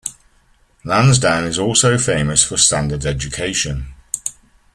Lansdowne is also famous for standard education.